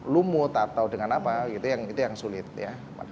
lumut atau dengan apa gitu yang sulit ya